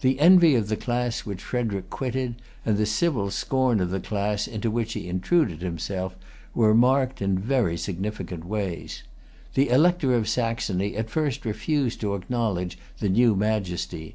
The envy of the class which Frederic quitted, and the civil scorn of the class[Pg 245] into which he intruded himself, were marked in very significant ways. The Elector of Saxony at first refused to acknowledge the new Majesty.